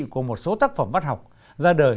của một số tác phẩm văn học ra đời